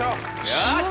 よし！